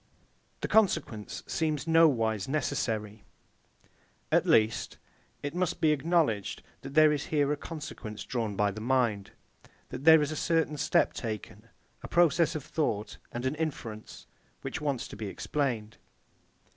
The consequence seems nowise necessary. At least, it must be acknowledged that there is here a consequence drawn by the mind; that there is a certain step taken; a process of thought, and an inference, which wants to be explained.